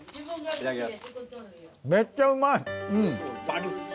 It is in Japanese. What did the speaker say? いただきます。